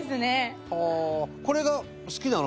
これが好きなの？